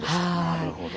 なるほど。